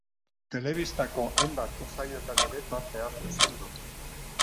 Telebistako hainbat saiotan ere parte hartu izan du.